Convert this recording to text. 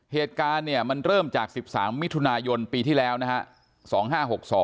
เหตุการณ์เนี่ยมันเริ่มจาก๑๓มิถุนายนปีที่แล้วนะฮะ